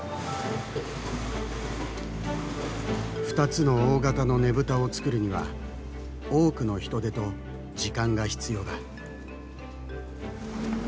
２つの大型のねぶたを作るには多くの人手と時間が必要だ。